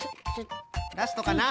ラストかな？